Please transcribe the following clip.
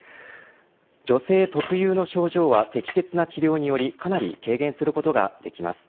女性特有の症状は適切な治療によりかなり軽減することができます。